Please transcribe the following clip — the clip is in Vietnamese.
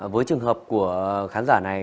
với trường hợp của khán giả này